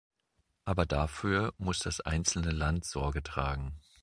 Aber dafür muss das einzelne Land Sorge tragen.